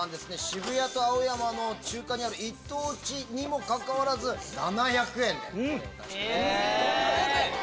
渋谷と青山の中間にある一等地にもかかわらず７００円。